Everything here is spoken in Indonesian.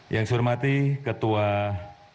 yang saya hormati ketua bbi bapak margiono